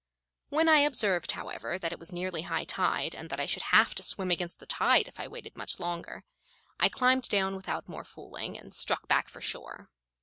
When I observed, however, that it was nearly high tide, and that I should have to swim against the tide if I waited much longer, I climbed down without more fooling, and struck back for shore.